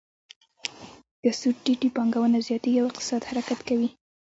که سود ټیټ وي، پانګونه زیاتیږي او اقتصاد حرکت کوي.